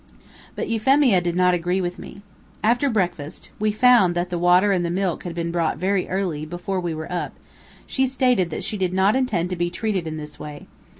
But Euphemia did not agree with me. After breakfast (we found that the water and the milk had been brought very early, before we were up) she stated that she did not intend to be treated in this way.